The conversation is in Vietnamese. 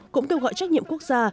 cũng kêu gọi trách nhiệm quốc gia